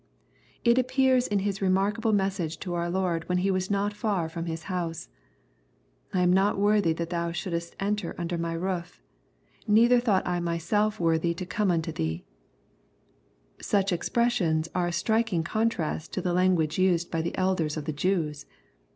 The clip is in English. It appears in his remarkable message to our Lord when He was not far from his house :" I am not worthy that thou should est enter under my roof: — neither thought I myself worthy to come unto thee/' — Such expressions are a striking con trast to the language used by the elders of the Jews.